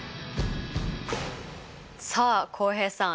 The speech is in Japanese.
さあ浩平さん